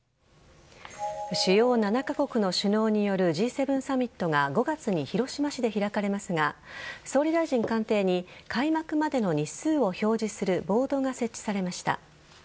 主要７カ国の首脳によるＧ７サミットが５月に広島市で開かれますが総理大臣官邸に開幕までの日数を表示するボードが設置されました。